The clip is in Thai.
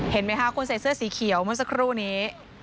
เห็นไหมคะคนใส่เสื้อสีเขียวเมื่อสักครู่นี้